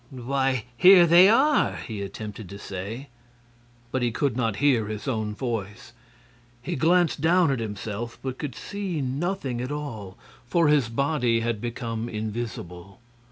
"Why, here they are!" he attempted to say; but he could not hear his own voice. He glanced down at himself but could see nothing at all for his body had become invisible.